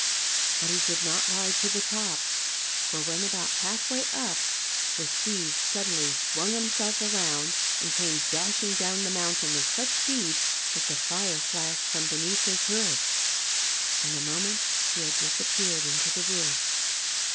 But he did not ride to the top ; for when about half way up, the steed suddenly swung himself around and came dashing down the mountain with such speed that the fire flashed from beneath his hoofs. In a moment he had disappeared into the woods.